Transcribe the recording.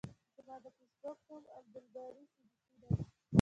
زما د فیسبوک نوم عبدالباری صدیقی ده.